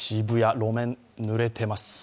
路面、ぬれてます。